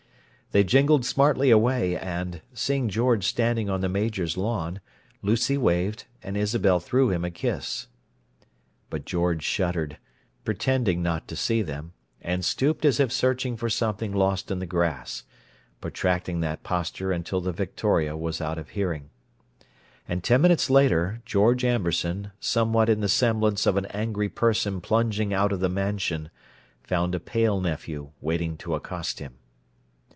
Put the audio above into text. They jingled smartly away, and, seeing George standing on the Major's lawn, Lucy waved, and Isabel threw him a kiss. But George shuddered, pretending not to see them, and stooped as if searching for something lost in the grass, protracting that posture until the victoria was out of hearing. And ten minutes later, George Amberson, somewhat in the semblance of an angry person plunging out of the Mansion, found a pale nephew waiting to accost him.